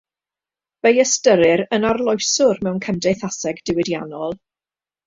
Fe'i ystyrir yn arloeswr mewn cymdeithaseg diwydiannol.